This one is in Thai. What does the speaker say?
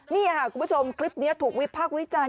เนี่ยค่ะคุณผู้ชมคลิปถูกวิพักวิจารณ์